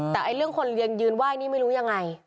แต่เรื่องคนเรียนยืนไหว้นี่ไม่รู้ยังไง